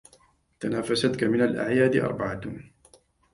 تنافستك من الأعياد أربعة